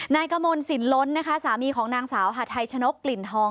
นายกมลสินล้นนะคะสามีของนางสาวหาทัยชนกกลิ่นทอง